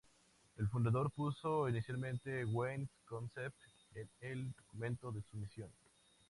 El fundador puso inicialmente "Weird Concepts" en el documento de sumisión.